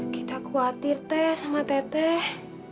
kita khawatir teh sama teteh